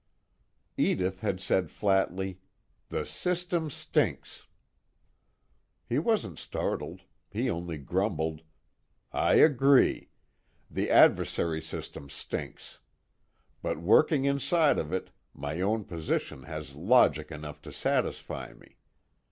Edith had said flatly: "The system stinks." He wasn't startled; he only grumbled: "I agree. The adversary system stinks. But working inside of it, my own position has logic enough to satisfy me.